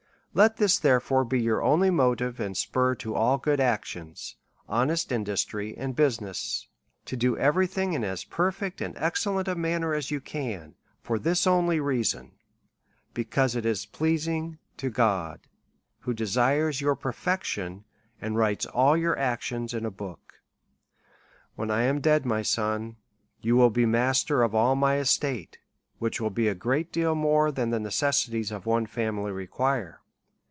Let this, therefore, be your only motive and spur to all good actions, honest industry, and business, to do every thing in as perfect and excellent a manner as you can, for this only reason ; because it is pleasing* to God, who desires your perfection, and writes all your actions in a book. "^Vhen 1 am dead, my son, you will be master of ail my estate, which will be a g reat deal more than the necessities of one family re quire.